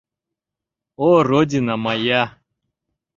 О, родина моя!..